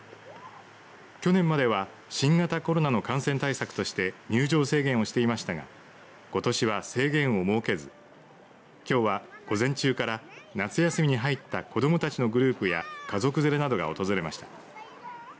去年までは新型コロナの感染対策として入場制限をしていましたがことしは制限を設けずきょうは午前中から夏休みに入った子どもたちのグループや家族連れなどが訪れました。